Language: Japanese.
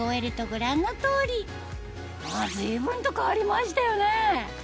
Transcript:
随分と変わりましたよね